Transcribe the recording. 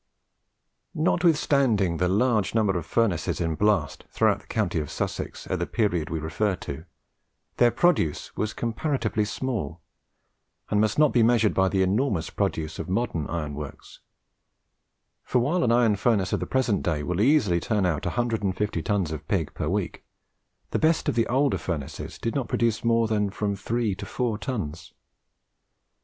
Notwithstanding the large number of furnaces in blast throughout the county of Sussex at the period we refer to, their produce was comparatively small, and must not be measured by the enormous produce of modern iron works; for while an iron furnace of the present day will easily turn out 150 tons of pig per week, the best of the older furnaces did not produce more than from three to four tons.